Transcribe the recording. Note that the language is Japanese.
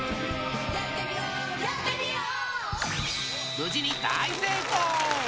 無事に大成功。